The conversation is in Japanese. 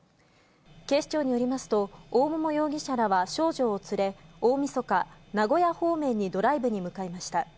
警視庁によりますと、大桃容疑者らは少女を連れ、大みそか、名古屋方面にドライブに向かいました。